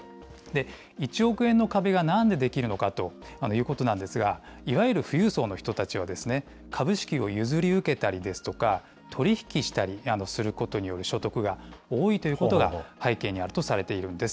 １億円の壁がなんで出来るのかということなんですが、いわゆる富裕層の人たちは、株式を譲り受けたり、取り引きしたりすることによる所得が多いということが背景にあるとされているんです。